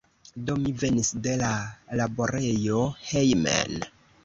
Do mi venis de la laborejo hejmen.